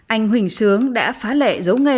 anh huỳnh sướng đã phá lệ dấu nghề